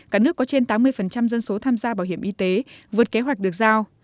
cả nước có trên tám mươi dân số tham gia bảo hiểm y tế vượt kế hoạch được giao